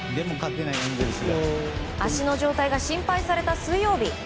足の状態が心配された水曜日。